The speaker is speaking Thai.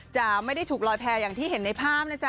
จะไม่ได้ถูกลอยแพร่อย่างที่เห็นในภาพนะจ๊